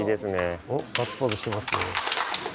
おっガッツポーズしてますね。